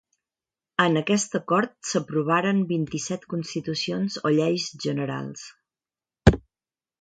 En aquesta cort s'aprovaren vint-i-set constitucions o lleis generals.